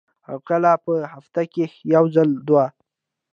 او کله پۀ هفته کښې یو ځل دوه ـ